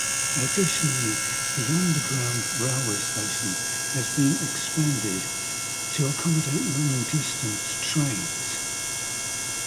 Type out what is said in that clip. Additionally, the underground railway station has been expanded to accommodate long-distance trains.